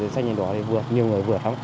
xanh đỏ thì nhiều người vượt lắm